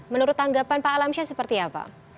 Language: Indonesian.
menurut tanggapan pak alamsyah seperti apa